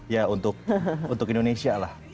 ya untuk indonesia lah